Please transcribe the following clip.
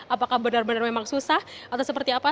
apakah benar benar memang susah atau seperti apa